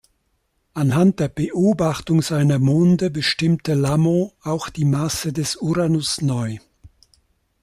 Anhand der Beobachtung seiner Monde bestimmte Lamont auch die Masse des Uranus neu.